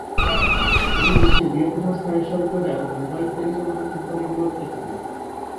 এটি বিশ্বের বৃহত্তম স্থায়ী-সংযোগ এবং মোবাইল টেলিযোগাযোগ কোম্পানিগুলির একটি।